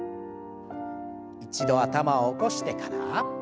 一度頭を起こしてから。